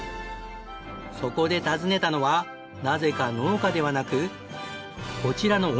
そこで訪ねたのはなぜか農家ではなくこちらの温泉旅館。